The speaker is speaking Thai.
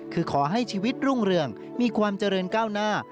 คือขอให้ชีวิตรุ่งเรืองมีความเจริญก้าวหน้า